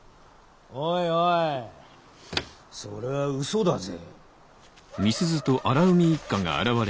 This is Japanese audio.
おいおいそれはうそだぜ？